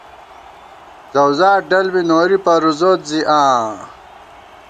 زَؤزات ڈل بی نوری پروزوت ، زی آں